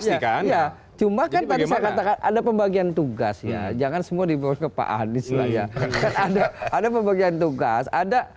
ya cuma ada pembagian tugas ya jangan semua dibawa ke pak anies ada ada pembagian tugas ada